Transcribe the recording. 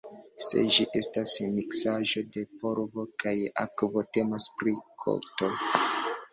Se ĝi estas miksaĵo de polvo kaj akvo, temas pri koto.